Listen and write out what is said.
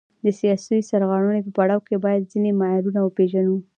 د سیاسي سرغړونې په پړاو کې باید ځینې معیارونه وپیژنو.